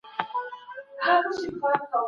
د هېواد اقلیم د دې نبات لپاره ډېر جوړ دی.